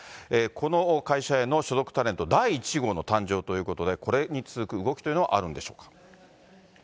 この会社への所属タレント第１号の誕生ということで、これに続く動きというのはあるんでしょうか。